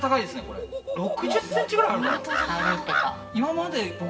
これ６０ｃｍぐらいあるかな？